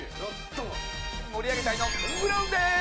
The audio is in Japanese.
「盛り上げ隊のトム・ブラウンでーす！」